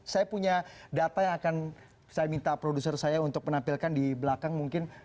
saya punya data yang akan saya minta produser saya untuk menampilkan di belakang mungkin